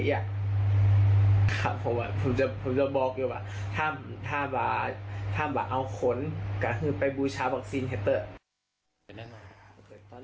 ผมจะบอกอยู่ว่าถ้าเอาขนก็คือไปบูชาวัคซีนให้เตอร์